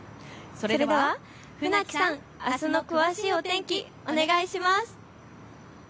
それでは船木さん、あすの詳しいお天気、お願いします。